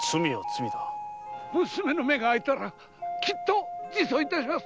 娘の目が開いたならきっと自訴致します